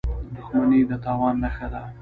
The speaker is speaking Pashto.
• دښمني د تاوان نښه ده.